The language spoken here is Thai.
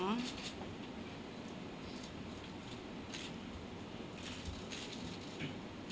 เรื่องแหวนเพชรเขาก็บอกว่า